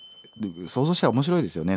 想像したら面白いですよね。